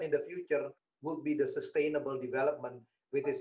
akan menjadi pembangunan yang berkelanjutan